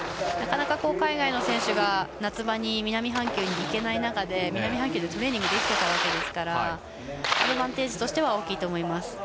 なかなか海外の選手が夏場、南半球に行けない中で、南半球でトレーニングができていたわけなのでアドバンテージとしては大きいと思います。